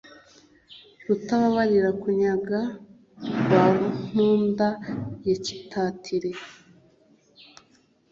rutabarira kunyaga rwa ntunda ya cyitatire